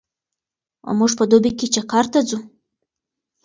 موږ په دوبي کې چکر ته ځو.